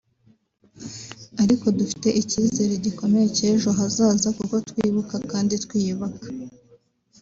ariko dufite icyizere gikomeye cy’ejo hazaza kuko twibuka kandi twiyubaka